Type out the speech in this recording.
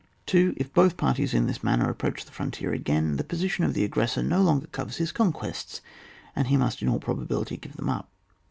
2. If both parties in this manner a])proach the frontier again ; the position oi the aggressor no longer covers his conquests, and he must in aU probability give them up.